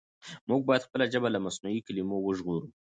موږ بايد خپله ژبه له مصنوعي کلمو وژغورو.